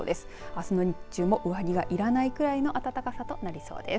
あすの日中も上着がいらないくらいの暖かさとなりそうです。